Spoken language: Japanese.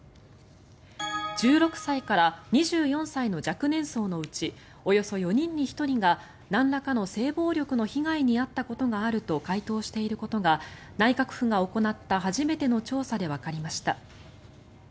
１６歳から２４歳の若年層のうちおよそ４人に１人がなんらかの性暴力の被害に遭ったことがあると回答していることが内閣府が行った初めての調査でわかりました。